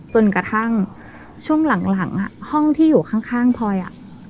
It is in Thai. จนกระทั่งช่วงหลังห้องที่อยู่ข้างพลอยอ่ะ